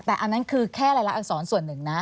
แต่อันนั้นคือแค่รายละอักษรส่วนหนึ่งนะ